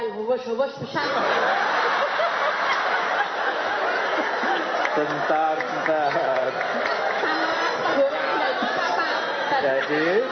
kok enggak banyak